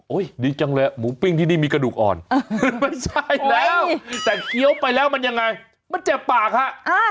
ดีจังเลยหมูปิ้งที่นี่มีกระดูกอ่อนไม่ใช่แล้วแต่เคี้ยวไปแล้วมันยังไงมันเจ็บปากฮะ